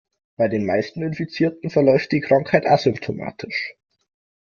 Bei den meisten Infizierten verläuft die Krankheit asymptomatisch.